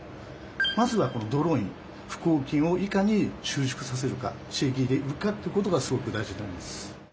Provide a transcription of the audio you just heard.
まずはこのドローイン腹横筋をいかに収縮させるか刺激できるかってことがすごく大事になります。